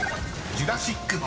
「ジュラシック」